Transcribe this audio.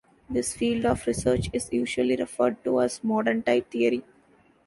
This field of research is usually referred to as modern type theory.